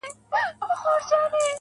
د تورو شپو پر تك تور تخت باندي مــــــا.